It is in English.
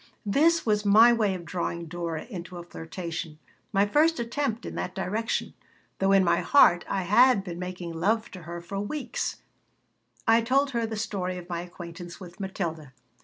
This was my way of drawing Dora into a flirtation, my first attempt in that direction, though in my heart I had been making love to her for weeks I told her the story of my acquaintance with Matilda.